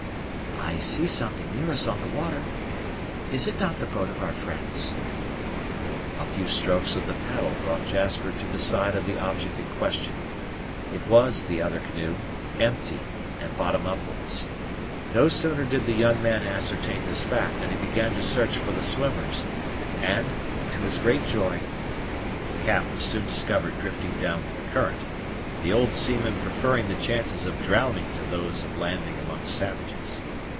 "I see something near us on the water; is it not the boat of our friends?" A few strokes of the paddle brought Jasper to the side of the object in question: it was the other canoe, empty and bottom upwards. No sooner did the young man ascertain this fact, than he began to search for the swimmers, and, to his great joy, Cap was soon discovered drifting down with the current; the old seaman preferring the chances of drowning to those of landing among savages.